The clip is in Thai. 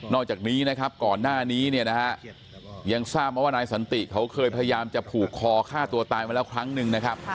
อกจากนี้นะครับก่อนหน้านี้เนี่ยนะฮะยังทราบมาว่านายสันติเขาเคยพยายามจะผูกคอฆ่าตัวตายมาแล้วครั้งหนึ่งนะครับ